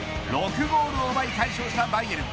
６ゴールを奪い快勝したバイエルン。